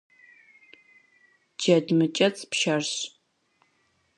Джэд мыкӏэцӏ пшэрщ.